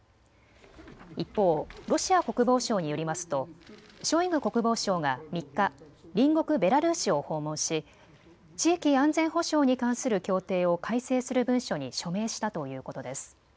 一方、ロシア国防省によりますとショイグ国防相が３日、隣国ベラルーシを訪問し地域安全保障に関する協定を改正する文書に署名したということです。